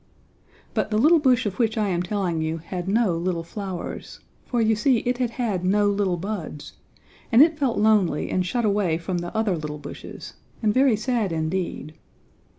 But the little bush of which I am telling you had no little flowers, for you see it had had no little buds, and it felt lonely and shut away from the other little bushes, and very sad indeed.